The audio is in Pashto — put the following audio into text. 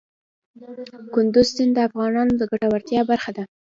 کندز سیند د افغانانو د ګټورتیا برخه ده.